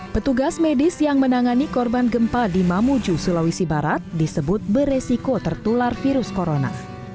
petugas medis yang menangani korban gempa di mamuju sulawesi barat disebut beresiko tertular virus corona